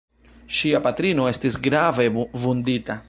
Ŝia patrino estis grave vundita.